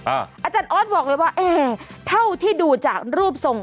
อาจารย์ออสบอกเลยว่าเอ๊เท่าที่ดูจากรูปทรง